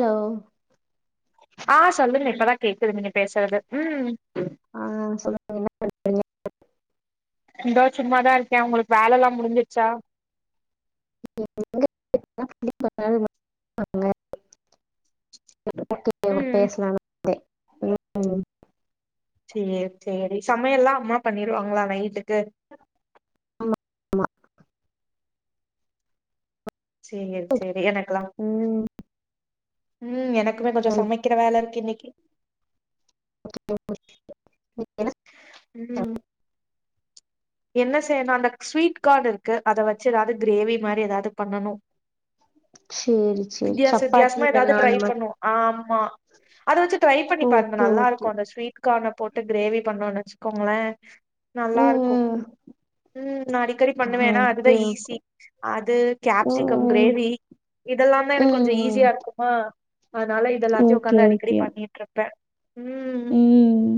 ஓ ஆ சொல்லுங்க இப்பதா கேக்குது நீங்க பேசுறது ம் ஆ சொல்றே நீங்க என்ன பண் இந்தோ சும்மாதா இருக்கே உங்களுக்கு வேலை எல்லா முடிஞ்சிச்சா நீங்க எங்க [unintelligible] நமக்கு தேவ ம் பேசலானு வந்தே ம் சமையல்லா அம்மா பண்ணிருவாங்களா நைட்டுக்கு ஆமா ஆமா சேரி சேரி எனக்கலா ம் ம் எனக்குமே கொஞ்சோ நான் சமைக்கிற வேல இருக்கு இன்னக்கி [unintelligible] ம் என்ன செய்யணு அந்த ஸ்வீட் கார்ன் இருக்கு அத வச்சு எதாது கிரேவி மாரி எதாது பண்ணனு சேரி சேரி வித்யாச சப்பாத்தி வித்யாசமா இல்ல எதாது நான் ட்ரை மாரி பண்ணுவோ ஆமா அத வச்சு ட்ரை பண்ணி பாருங்க ஓகே நல்லா ஓகே இருக்கு அந்த ஸ்வீட் கார்ன போட்டு கிரேவி பண்ணோனு வச்சுக்கோங்களே ம் நல்லாருக்கு ம் ம் நா அடிக்கடி பண்ணுவேனா அதுதா ஓகே ஓகே ஈஸி அது கேப்சிகம் ம் கிரேவி இதெல்லா தா எனக்கு ம் கொஞ்சோ ம் ஈஸியா இருக்கு ஆ அதனால இத எல்லாத்தையு ஓகே ஒக்காந்து அடிக்கடி ஓகே பண்ணிட்டு இருப்பே ம் ம்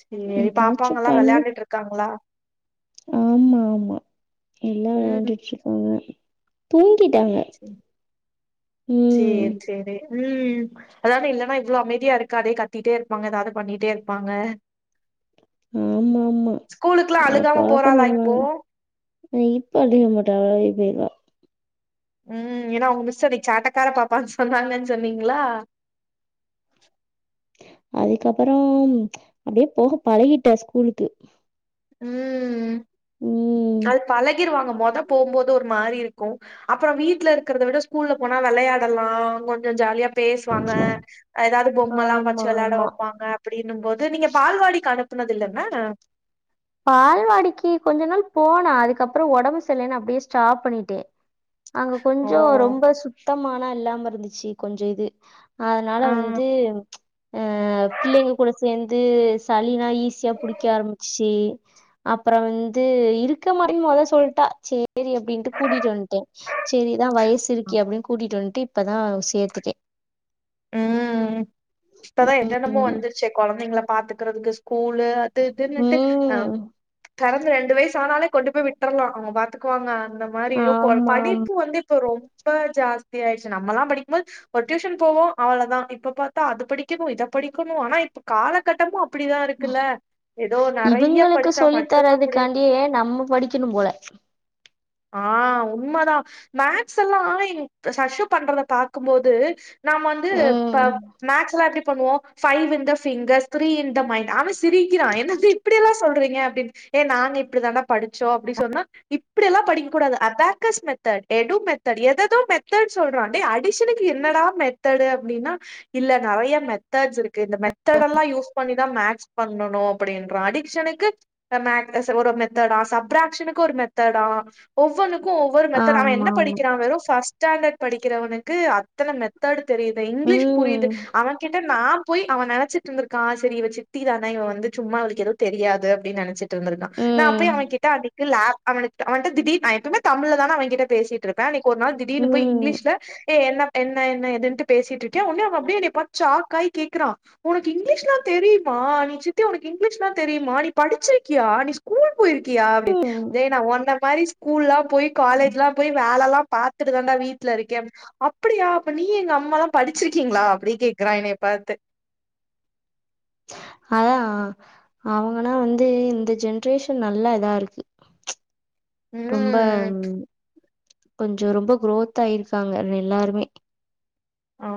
சேரி ஏதாச்சு பாப்பாங்களா வெளான்ட்டுட்டு இருக்காங்களா ஆமாமா எல்லா ம் வெளாண்டுட்ருக்காங்க தூங்கிட்டாங்க சேரி ம் சேரி சேரி ம் அதானே இல்லன்னா இவ்ளோ அமைதியா இருக்காதே கத்திட்டே இருப்பாங்க எதாது பண்ணிட்டே இருப்பாங்க ஆமாமா ஸ்கூலுக்குல்லா அழுகாம ஆர்பாட்டம் போறாளா இப்போ பண்ணுவாங்க நா இப்ப அடிக்க மாட்டே அவளாவே போயிருவா ம் ஏனா அவுங்க மிஸ் அன்னைக்கி சேட்டை கார பாப்பானு சொன்னாங்கனு சொன்னீங்களா அதுக்கப்றோ அப்டியே போக பழகிட்டா ஸ்கூலுக்கு ம் ம் அது பழகிருவாங்க மொத போம் போது ஒரு மாதிரி இருக் கு அப்புறோ வீட்ல இருக்றத விட ஸ்கூல்ல போனா வெளையாடலா கொஞ்சோ ஜாலியா பேசுவாங்க எதாது பொம்மல்லா ஆமா வச்சு வெளாட ஆமா வைப்பாங்க அப்டினு போது நீங்க பால்வாடிக்கு அனுப்புனது இல்ல இன்ன பால்வாடிக்கு கொஞ்ச நாள் போனா அதுக்கப்புறோ ஒடம்பு சரியில்லனு அப்டியே ஸ்டாப் பண்ணிட்டே அங்க ஓ கொஞ்சோ ரொம்ப சுத்தமானா இல்லாம இருந்துச்சு கொஞ்ச இது அதனால ஆ வந்து ஆ பிள்ளைங்க கூட சேந்து சளினா ஈஸியாக புடிக்க ஆரம்மிச்சிச்சு அப்றோ வந்து இருக்க மாட்டனு மொத சொல்ட்டா சேரி சேரி அப்டின்ட்டு கூட்டிட்டு வந்ட்டே சேரி இதா வயசு இருக்கே அப்டின் கூட்டிட்டு வந்துட்டு இப்பதா சேத்துட்டே ம் இப்பதா என்னென்னமோ வந்துருச்சே கொழந்தைங்கள பாத்துக்கறதுக்கு ஸ்கூலு அது இதுனுட்டு ஆ ம் பிறந்து ரெண்டு வயசுனாலே கொண்டு போய் விட்டுரலா அவங்க பாத்துக்குவாங்க அந்த மாரிரு கொ ஆமா ஆமா படிப்பு வந்து இப்ப ரொம் ப ஜாஸ்தி ஆயிடுச்சு நம்மல்லா படிக்கும்போது ஒரு டியூஷன் போவோ அவ்ளதா இப்ப பாத்தா அது படிக்கணு இத படிக்கணு ஆனா இப்ப காலகட்டமு அப்படிதா இருக்குல்ல ஏதோ நெறைய இவுங்களுக்கு படிச்சா சொல்லி மட்டுந்தா முடியு தரதுக்காண்டியே நம்ம படிக்கணும்போல ஆ உண்மதா மேக்ஸ் எல்லா எங்க சஷு பண்றத பாக்கும்போது நாம வந்து இப்ப ம் மேக்ஸ்லா எப்டி பண்ணுவோ five in the fingers three in the mind அவ சிரிக்கிறா என்னது இப்டில்லா சொல்றீங்க அப்படின் எ நாங்க இப்டிதான்டா படிச்சோ அப்டி சொன்னோ இப் இப்டியெல்லா படிக்க கூடாது அபாக்கஸ் மெத்தட் எடு மெத்தட் எதேதோ மெத்தட் சொல்றா டேய் அடிசனுக்கு என்னடா மெத் தடு அப்டின்னா இல்ல நெறைய மெத்தட்ஸ் இருக்கு இந்த மெத்தட் எல்லா யூஸ் பண்ணிதா மேக்ஸ் பண்ணனு அப்படின்றா அடிக்ஷனுக்கு எ மே ச ஒரு மெத்தடா சப்ராக்ஷனுக்கு ஒரு மெத் தடா ஒவ்வொனுக்கு ஒவ்வொரு மெத்தடா அவ என்ன ஆமா ஆமா படிக்கிறா வெறு ஃபஸ் டாண்டட் படிக்கிறவனுக்கு அத்தன மெத்தடு தெரியுது இங்கிலீஷ் புரியுது ம் அவ கி ட நா போய் அவ நெனச்சிட்டு இருந்திருக்கா சரி இவ சித்திதானா இவ வந்து சும்மா அவளுக்கு எதோ தெரியாது அப்படின் நெனச்சிட்டு இருந்திருக்கா நா பேய் ம் அவன்கிட்ட அதுக்கு ல அவனுக் அவன்ட்ட திடீ நா எப்பமே தமிழ்ல தான அவ கிட்ட பேசிட் டுருப்பே அன்னைக்கு ஒரு நாள் திடீர்னு போய் இங்கிலீஷ்ல ஏ என்ன என்ன என்ன எதுன்ட்டு பேசிட்டுக்கே உன்னே அவ அப்டியே என்னைய பாத் ஷாக்காய் கேக்குறா உனக்கு இங்கிலீஷ்லா தெரியுமா நீ சித்தி உனக்கு இங்கிலீஷ்லா தெரியுமா நீ படிச்சிருக்கியா நீ ஸ்கூல் போயிருக்கியா அப்படின் ம் எ நா ஒன்ன மாரி ஸ்கூல்லா போய் காலேஜ்லா போய் வேலலா பாத்துட்டு தான்டா வீட்ல இருக்கே அப்டியா அப்ப நீ எங்க அம்மாலா படிச்சிருக்கீங்ளா அப்டி கேக்குறா என்னைய பாத்து அதா அவங்கனா வந்து இந்த ஜென்ரேஷன் நல்லா இதா இருக்கு ரொம்ப ம் கொஞ்சோ ரொம்ப குரோத் ஆயிருக்காங்க எல்லாருமே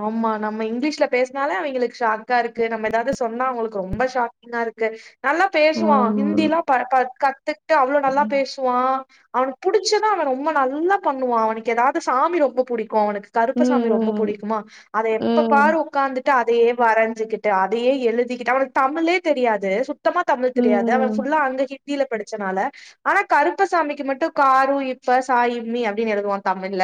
ஆமா நம்ம இங்கிலீஷ்ல பேஸ்னாலே அவங்களுக்கு ஷாக்கா இருக்கு நம்ம எதாது சொன்னா அவுங்களுக்கு ரொம்ப ஷாக்கிங்கா இருக்கு கு நல்லா பேசுவா ம். ஹிந்திலா ப க கத்துக்கிட்டு அவ்ளோ நல்லா ம், பேசு வா அவனுக் புடிச்சுன்னா அவ ரொம்ப நல்லா பண்ணுவா அவனுக்கு எதாது சாமி ரொம்ப புடிக்கு அவனுக்கு கருப்பசாமி ரொம்ப ம், புடிக்குமா அத எப்ப பாரு ம், உக்காந்துட்டு அதயே வரைஞ்சுக்கிட்டு அதயே எழுதிக்கிட்டு அவனுக்கு தமிழே தெரியாது சுத் தமா தமிழ் தெரியாது அவ ம், ஃபுல்லா அங்க ஹிந்தில படிச்சனால ஆனா கருப்பசாமிக்கு மட்டு க ரு இப் ப சா இம் மி அப்படினு எழுதுவா தமிழ்ல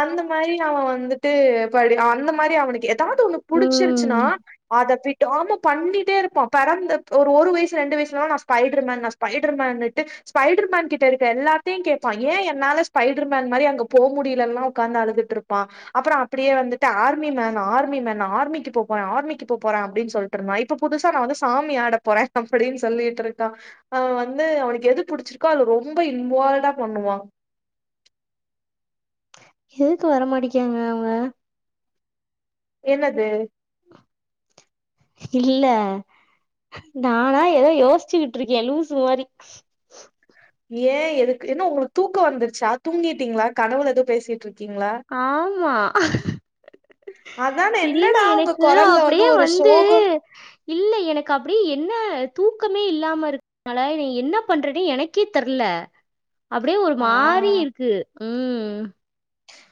அந்த மாரி அவ வந்துட்டு படி அந்த மாரி அவனுக்கு எதாது ஒண்ணு புடிச்சிருச்சுன்னா ம். அத விடாம பண்ணிட்டே இருப்பா பிறந்து ஒரு ஒரு வயசு ரெண்டு வயசுலலா நா ஸ்பைடர் மேன் நா பைடர் மேனுட்டு ஸ்பைடர் மேன் கிட்ட இருக்க எல்லாத்தையு கேப்பா ஏ என்னால ஸ்பைடர் மேன் மாரி அங்க போ முடியலல்லா உக்காந்து அழுதுட்டு இருப்பா அப்புறோ அப்டியே வந்துட்டு ஆர்மி மேன் ஆர்மி மேன் நா ஆர்மிக்கு போ போறே ஆர்மிக்கு போ போறே அப்படின் சொல் டுருந்தா இப்ப புதுசா நா வந்து சாமி ஆட போறே அப்படின் சொல்லிட்டு இருக்கா அவ வந்து அவனுக்கு எது புடிச்சிருக்கோ அதுல ரொம்ப இன்வால்டா பண்ணுவா எதுக்கு வர மாட்டிக்காங்க அவங்க என்னது இல்ல நானா ஏதோ யோசிச்சுகிட்டு இருக்கேன் லூசு மாரி ஏன் எதுக்கு ஏன்ன உங்களுக்கு தூக்க வந்துருச்சா தூங்கிட்டீங்களா கனவுல எதோ பேசிட்டு இருக் ஆமா அதான இல்ல என்னடா உங்க எனக்கு கொரல்ல அப்டியே ஒரு வந்து சோகம் இல்ல எனக்கு அப்டியே என்ன தூக்கமே இல்லாம இருக் குனாலா நீ என்ன பண்றன்னு எனக்கே தெர்ல அப்டியே ஒரு ஆ மாறி இருக்கு ம்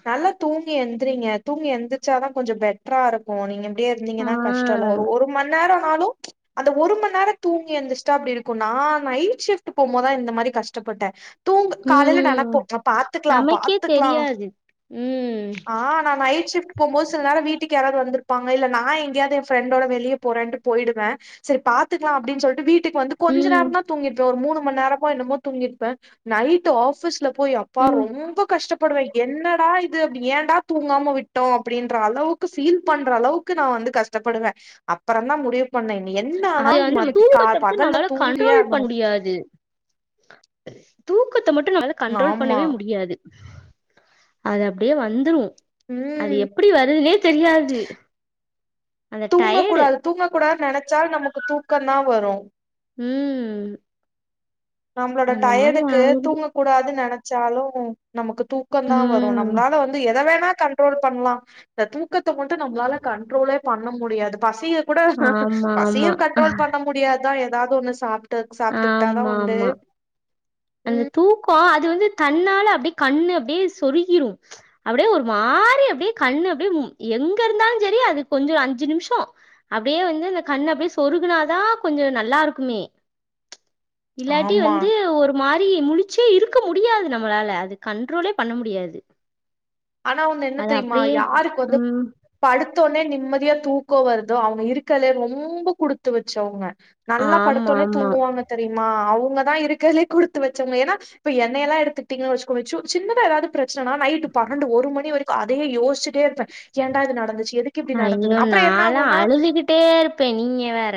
நல்லா தூங்கி எழுந்திரீங்க தூங்கி எழுந்திரச்சாதான் கொஞ்சம் பெட்டரா இருக்கும் நீங்க இப்டியே ஆ, இருந்தீங்கன்னா கஷ்டோ இல்ல ஒரு ஒரு மண்நேரம்னாலும் அந்த ஒரு மண்நேரம் தூங்கி இருந்துச்சுட்டா அப்டி இருக்கும் நான் நைட் ஷிப்ட் போகும்போதான் இந்த மாரி கஷ்டப்பட்டேன் தூங் காலையில நெனப்போ ம். நா பாத்துக்கலாம் நமக்கே பாத்துக்கலாம் தெரியாது. ம் ஆ நான் நைட் ஷிப்ட் போம் போது சில நேர வீட்டுக்கு யாராவது வந்துருப்பாங்க இல்ல நான்ங்கயாவது என் ஃபரெண்டோட வெளிய போறேன்ட்டு போயிடுவேன் சேரி பாத்துக்கலாம் அப்டின்னு சொல்லிட்டு வீட் டுக்கு வந்து கொஞ்ச ம், நேரம் தான் தூங்கிருப்பன் ஒரு மூணு மண் நேரம் என்னமோ தூங்கிருப்பேன் நைட் ஆபீஸ்ல போய் அப்பா ம். ரொம்ப கஷ்டப்படுவே என்னடா இது ஏடா தூங்காம விட்டோம் அப்டின்ற அளவுக்கு பீல் பண்ற அளவுக்கு நான் வந்து கஷ் டப்படுவேன் அப்பறம் தான் முடி அத வந்து தூக்கத்தை வந்து பகல்ல நம்மளால தூங்கியே கண்ட்ரோல் பண்ண ஆகணு முடியாது தூக்கத்தை மட்டும் நம்மளால கண்ட்ரோல் ஆமா பண்ணவே முடியாது அது அப்டியே வந்துடும் ம் அது எப்டி வருதுனே தெரியாது அந்த டயர்டு. தூங்கக்கூடாது தூங்கக்கூடாதுன்னு நினைச்சா நமக்கு தூக்கம் தான் வரு ம் நம்மளோட அந்த மாரி டய்டுக்கு ஆயிரும். தூங்க கூடாது நினைச்சாலும் நமக்கு தூக்கம் தான் வரும் ம். நம்மளால வந்து எத வேணா கன் ரோல்பன்லாம் இந்த தூக்கத்த மட்டும் நம்மளால கண்ட்ரோலே பண்ண முடியாது பசி ய கூட ஆமா, ஆமா. பசியும் கண்ட்ரோல் பண்ண முடியாதுதான் ஏதாவது ஒண்ணு சாப்ப சாப்பிட்டுக்கிட்டாதான் உண் ஆமாமா. அந்த தூக்கம் அது வந்து தன்னால அப்டியே கண்ணு அப்டியே சொருகிரும் அப்டியே ஒரு மாரி அப்டியே கண்ணு அப்டியே எங்க இருந்தாலும் செரி அது கொஞ்சம் அஞ்சு நிமிஷோ அப்டியே வந்து இந்த கண் அப்டியே சொருகுனாதான் கொஞ்சம் நல்லா இருக்குமே இல்லாட்டி ஆமா வந்து ஒரு மாரி முழிச்சே இருக்க முடியாது நம்மளால அது கண்ட்ரோலே பண்ண முடியாது ஆனா ஒண்ணு என்ன அது தெரியுமா அப்படியே யாருக்கு வந்து ம் படுத்தோடனே நிம்மதியா தூக்கம் வருதோ அவங்க இருக்கலே ரொம்ப குடுத்து வச்சவங்க நல்லா ஆமா படுத்தோனே ஆமா தூங்குவாங்க தெரியுமா அவுங்கதான் இருக்கறவங்களே குடுத்து வச்சவங்க ஏன்னா இப்ப எண்ணெல்லாம் எடுத்துகிட்டிங்கன்னு வச்சுக்கோங்களே சு சின்னதா ஏதாவது பிரச்சனைனா நைட் பன்னெண்டு ஒரு மணி வரைக்கும் அதையே யோசிச்சிட்டே இருப்பேன் ஏண்டா இது நடந்துச்சு எதுக் ஐயோ நாளா அழுதுகிட்டே இருப்பேன் நீங்க வேற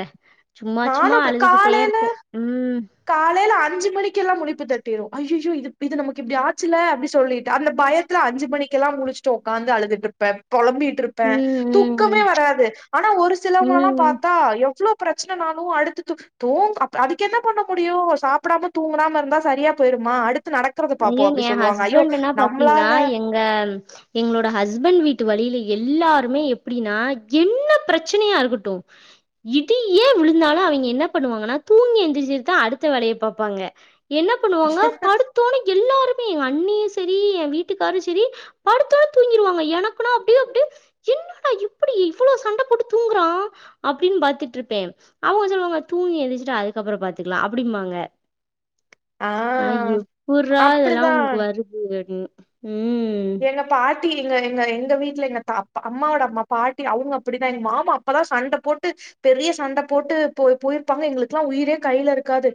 சும்மா நானு சும்மா அப்டி கால் அழுதுகிட்டே இருப்ப ம் காலையில அஞ்சு மணிக்கெல்லாம் முழிப்பு தட்டிரும் ஐய்யயோ இ இது நமக்கு இப்டி ஆச்சுல அப்டி சொல்லிட்டு அந்த பய த்துல அஞ்சு மணிக்கெல்லாம் முழச்சிட்டு உக்கார்ந்து அழுதுட்டு இருப்பன் பொழம்பிட்டு இருப் இருப்பே துக்கமே ம் வராது ஆனா ஒரு ம் சிலவங்கல்லா ம் பாத்தா எவ்ளோ பிரச்சன நாளு அடுத்து து தோ அதுக்கு என்ன பண்ண முடியு சாப்டாம தூங்காம இருந்தா சரியா போயிருமா அடுத்து நடக் கறத ஐயோ! பாப்போ சொல்லுவாங்க ஐயோ நாம்ளால ஆ எங்களோட ஹஸ்பண்ட் வீட்டு வழியில எல்லாருமே எப்டின்னா என்ன பிரச்சனையா இருக்கட்டு இடியே விழுந்தாலு அவிங்க என்ன பண்ணுவாங்கன்னா தூங்கி எந்திரிச்சுட்டு தா அடுத்த வேலையே பாப்பாங்க என்ன பண்ணுவாங்க படுத்தோனே எல்லாருமே எ அண்ணியு சேரி எ வீட்டுக்காரு சேரி படுத்தானே தூங்கிருவாங்க எனக்குன்னா அப்டியே அப்டி என்னடா இப்டி இவ்ளோ சண்ட போட்டு தூங்குறா அப்டின்னு பாத்துட்டு இருப்பே அவுங்க சொல்லுவாங்க தூக்கி ஏத்திச்சுட்டு அதுக்கப்றோ பாத்துக்கலா அப்டிம்பாங்க ஆ நா எப்புறா இதெல்லா அப்டிதா உங்களுக்கு வருது அப்டினு ம் எங்க பாட்டி எங்க எங்க எங்க வீட்டுல எங்க தாத் அம்மாவோட அம்மா பாட்டி அவுங்க அப்டிதா எங்க மாமா அப்பதா சண்ட போட்டு பெரிய சண்ட போட்டு போ போயிருப்பாங்க எங்களுக்கெல்லா உயிரே கையில இருக்காது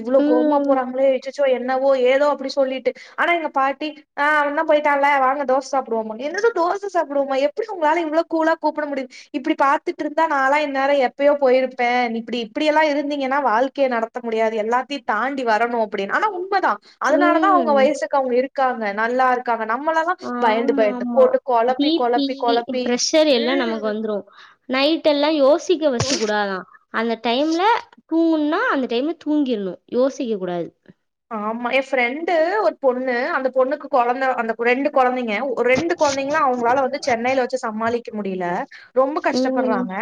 இவ்ளோ கோவமா ம் போறாங்களே எச்சிச்சோ என்னவோ ஏதோ அப்டி சொல்லிட்டு ஆனா எங்க பாட்டி ஆ போயிட்டால வாங்க தோச சாப்பிடுவோம்பாங்க என்னது தோச சாப்டுவோமா எப்டி உங்களால இவ்ளோ கூளா கூப்ட முடிஞ் இப்டி பாத்துட்டு இருந்தா நான்ல்லா இநேரோ எப்பயோ போயிருப்பே இப்டி இப்டியெல்லா இருந்தீங்கன்னா வாழ்க்கைய நட த்த முடியாது எல்லாத்தையு தாண்டி வரணு அப்டின்னு ஆனா உண்மதா அதனாலதா அவுங்க ம் வயசுக்கு அவுங்க இருக்காங்க நல்லா இருக் க்காங்க நம்மள தா பயந்து பயந்து ஆமாமா போட்டு கொழப்பி பி பி கொழப்பி கொழப்பி ப்ரெஷர் எல்லா நமக்கு ம் வந்துரு நைட் எல்லா யோசிக்க வஸ்ட்டு யோசிக்க கூடாதா அந்த டைம்ல தூங்கனுனா அந்த டைம்ல தூங்கிறணு யோசிக்க கூடாது ஆமா ஏ ஃப்ரெண்டு ஒரு பொண்ணு அந்த பொண்ணுக்கு கொழந்த அந்த ரெண்டு கொழந்தைங்க ஒரு ரெண்டு குழந்தைங்களு அவுங்களால வந்து சென்னையில வச்சு சமாளிக்க முடியல ரொம்ப ம் கஷ்டப்படுறாங்க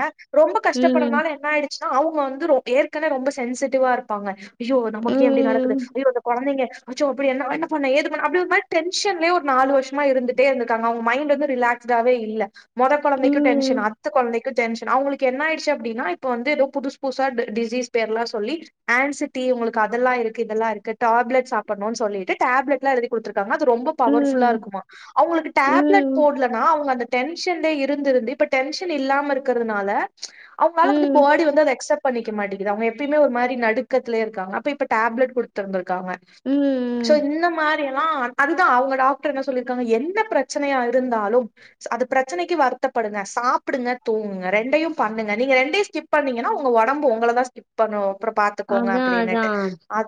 ரொம்ப ம் கஷ்டப்படுறனால என்ன ஆயிடுச் சினா அவுங்க வந்து ரோ ஏற்கனவே ரொம்ப சென்சிட்டிவா இருப்பாங்க ஐயோ நமக்கு ஏ இப்டி நடக்குது ம் அந்த கொழந்தைங்க அச்சோ அப்டி என்ன நா என்ன பண்ண ஏது பண்ண அப்டி ஒரு மாரி டென்ஷன்ல ஒரு நாலு வருஷமா இருந்துட் டே இருந்துருக்காங்க அவுங்க மைண்ட் வந்து ரிலாக்ஸ்டாவவே இல்ல மொத கொழந்தைக்கு ம் டென்சன் அடுத்த கொழந்தைக் கு டென்ஷன் அவுங்களுக்கு என்ன ஆயிச்சு அப்டின்னா இப்ப வந்து ஏதோ புதுசு புதுசா டிசீஸ் பேர் எல்லா சொல்லி ஆன்சிட்டி உங்களுக்கு அதெல்லா இருக்கு இதெல்லா இருக்கு டாப்லட் சாப்பானட்ணும்னு சொல்லிட்டு டாப்லட் எல்லா எழுதி குடுத்துருகாங்க அது ரொம்ப பவர் ஃபுல்லா ம் இருக்குமா அவுங்களுக்கு டேப்லெட் ம் போடல னா அவுங்க அந்த டென்ஷன்லே இருந்திருந்து இப்ப டென்ஷன் இல்லாம இருக்கிறதுனால அவங்களால வந்து ம் பாடி வந்து அது எக்ஸப்ட் பண்ணிக்க மாட்டேங்கிது அவுங்க எப்பயுமே ஒரு மாரி நடுக்கத்துலயே இருக்காங்க அப்ப இப்ப டேப்லெட் கொடுத் திருக்காங்க ம் சோ இந்த மா ரிலா அதுதா அவுங்க டாக்டர் என்ன சொல்லிருக்காங்க என்ன பிரச்சனையா இருந்தாலு அது பிரச்சனைக்கு வருத்தப்படுங்க சாப்டுங்க தோங்குங்க ரெண்டையு பண்ணுங்க நீங்க ரெண்டயு ஸ்கிப் பண்ணீங்கன்னா உங்க ஒடம்பு உங்கள தா ஸ்கிப் பண்ணு அப்புறோ பாத்துக்கோங்க அதா அதா அப்டின்னுட்டு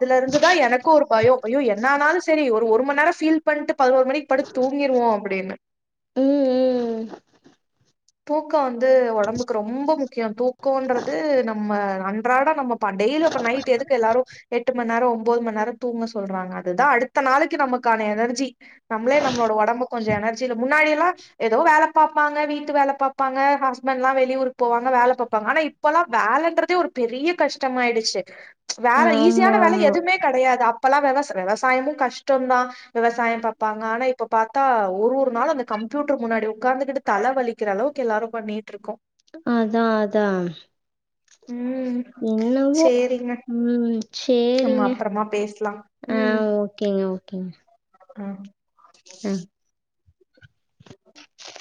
இல இருந்து தா எனக்கு ஒரு பயோ ஐயோ என்னா ஆனாலு சேரி ஒரு மணி நேரோ பீல் பண்ணிட்டு பதினோரு மணிக் படுத்து தூங்கிடுவோ அப்டின்னு ம் ம் தூக்கோ வந்து ஒடம்புக்கு ரொம்ப முக்கியோ தூக்கம்ன்றது நம்ம அன்றாட நம்ம தா டெய்லியு அப்ப நைட்டு எதுக்கு எல்லாரு எட்டு மணி நேரோ ஒன்ம்பது மணி நேரோ தூங்க சொல்றாங்க அதுதா அடுத்த நாளைக்கு நமக்கான எனர்ஜி நம்மளே நம்மளோட ஒடம்பு கொஞ்சோ எனர்ஜிய முன்னாடிய எல்லா ஏதோ வேல பாப்பாங்க வீட் டு வேல பாப்பாங்க ஹஸ்பண்ட்லா வெளியூருக்கு போவாங்க வேல பாப்பாங்க ஆனா இப் போலாம் வேலன்றதே ஒரு பெரிய கஷ்டமாயிடுச்சு வேல ஈஸியான வேலை ஆமாமா எதுமே கடையாது அப்பெல்லாம் வெவஸ் வெவசாயமும் கஷ்டம்தான் வெவசாயம் பாப்பாங்க ஆனா இப்ப பாத்தா ஒரு ஒரு நாள அந்த கம்ப்யூட்டர் முன்னாடி ஒக்காந்துகிட்டு தல வலிக்கிற அளவுக்கு எல்லாரும் பண்ணிகிட்ருக்கோம் அதா அதான் உம் என்னவோ உம் சேரிங்க மா பேஸ்லாம் ஆ ஓகேங்க ஓகேங்க ம் ஆ.